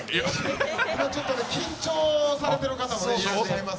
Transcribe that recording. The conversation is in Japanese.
ちょっと緊張されている方もいらっしゃいまして。